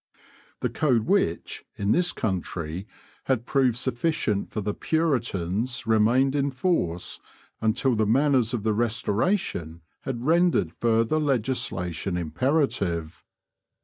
The code which, in this country, had proved sufficient for the Puritans remained in force until the manners of the Restoration had rendered further legislation imperative.